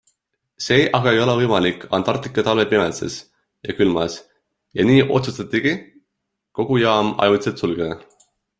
See ei ole aga võimalik Antarktika talve pimeduses ja külmas ja nii otsustatigi kogu jaam ajutiselt sulgeda.